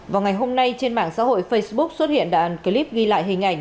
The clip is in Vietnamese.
vào ngày hôm nay trên mạng xã hội facebook xuất hiện đoạn clip ghi lại hình ảnh